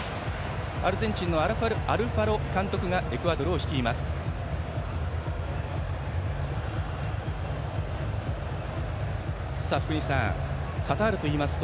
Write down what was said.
アルゼンチンのアルファロ監督がエクアドルを率います。